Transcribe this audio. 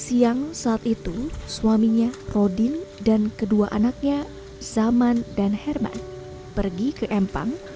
siang saat itu suaminya rodin dan kedua anaknya zaman dan herman pergi ke empang